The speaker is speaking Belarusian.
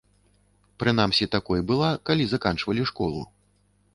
Прынамсі такой была, калі заканчвалі школу.